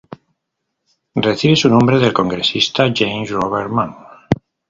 Recibe su nombre del congresista James Robert Mann.